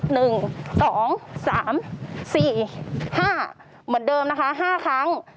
เหมือนเดิมนะคะห้าครั้ง